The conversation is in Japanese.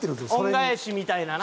恩返しみたいなな。